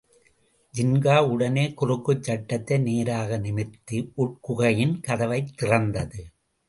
ஜின்கா உடனே குறுக்குச் சட்டத்தை நேராக நிமிர்த்தி, உட்குகையின் கதவைத் திறந்தது.